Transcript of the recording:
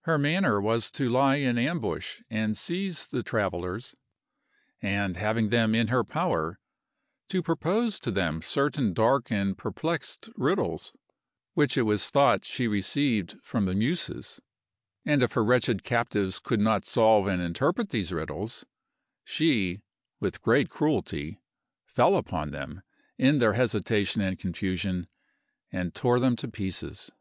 Her manner was to lie in ambush and seize the travellers, and having them in her power, to propose to them certain dark and perplexed riddles, which it was thought she received from the Muses, and if her wretched captives could not solve and interpret these riddles, she, with great cruelty, fell upon them, in their hesitation and confusion, and tore them to pieces.